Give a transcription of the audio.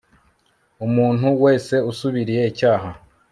umuntu wese usubiriye icyaha